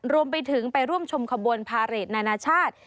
รวมไปถึงไปร่วมชมขบวนพาเรทนานาชาติ